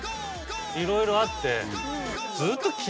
いろいろあって。